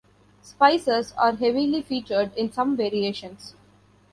Spices are heavily featured in some variations.